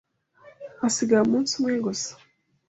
Hasigaye umunsi umwe gusa.